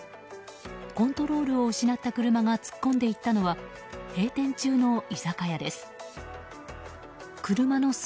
コントロールを失った車が突っ込んでいったのは閉店中の居酒屋です。